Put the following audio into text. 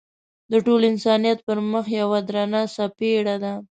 د ټول انسانیت پر مخ یوه درنه څپېړه ده.